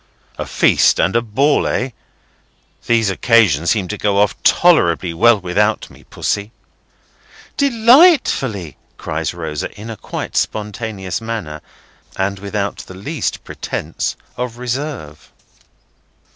"A feast and a ball, eh? These occasions seem to go off tolerably well without me, Pussy." "De lightfully!" cries Rosa, in a quite spontaneous manner, and without the least pretence of reserve.